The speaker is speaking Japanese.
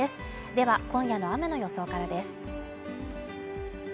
では、今夜の雨の予想からです。